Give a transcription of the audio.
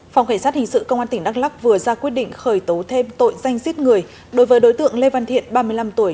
phòng cảnh sát hình sự công an tỉnh đắk lắc vừa ra quyết định khởi tố thêm tội danh giết người đối với đối tượng lê văn thiện ba mươi năm tuổi